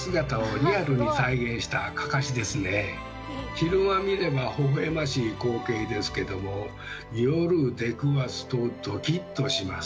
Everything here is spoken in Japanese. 昼間見ればほほえましい光景ですけども夜出くわすとドキっとします。